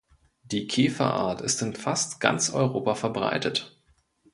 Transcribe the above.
Die Käferart ist in fast ganz Europa verbreitet.